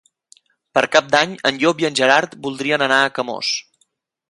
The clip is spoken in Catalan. Per Cap d'Any en Llop i en Gerard voldrien anar a Camós.